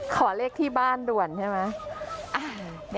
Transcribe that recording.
ขอเลขที่บ้านด่วนใช่ไหม